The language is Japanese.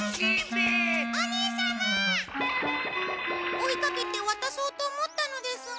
追いかけてわたそうと思ったのですが。